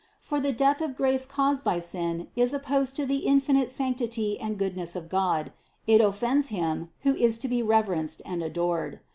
For the death of grace caused by sin is opposed to the in finite sanctity and goodness of God ; it offends Him, who is to be reverenced and adored.